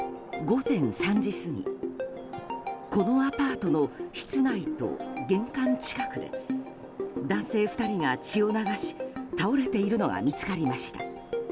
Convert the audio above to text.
午前３時過ぎこのアパートの室内と玄関近くで男性２人が血を流し倒れているのが見つかりました。